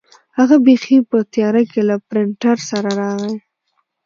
هغه بیخي په تیاره کې له پرنټر سره راغی.